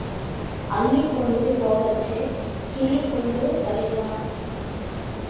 அள்ளிக் கொண்டு போகச்சே கிள்ளிக்கொண்டு வருகிறான்.